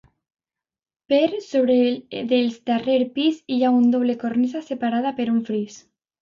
Per sobre del darrer pis, hi ha doble cornisa separada per un fris.